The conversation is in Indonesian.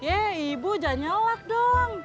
yeh ibu jangan nyelak dong